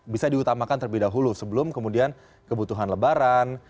bisa diutamakan terlebih dahulu sebelum kemudian kebutuhan lebaran